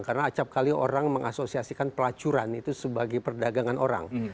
karena acapkali orang mengasosiasikan pelacuran itu sebagai perdagangan orang